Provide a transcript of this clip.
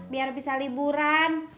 biar bisa liburan